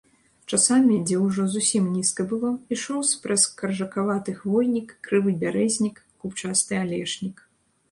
Часамі, дзе ўжо зусім нізка было, ішоў спрэс каржакаваты хвойнік, крывы бярэзнік, купчасты алешнік.